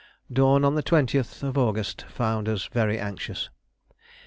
Dawn on the 20th August found us very anxious.